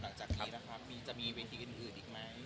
หลังจากนี้นะครับจะมีเวทีอื่นอีกไหม